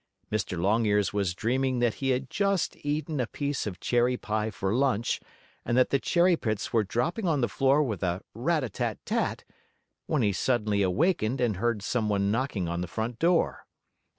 Mr. Longears was dreaming that he had just eaten a piece of cherry pie for lunch, and that the cherry pits were dropping on the floor with a "rat a tat tat!" when he suddenly awakened and heard some one knocking on the front door.